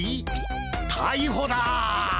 たいほだ！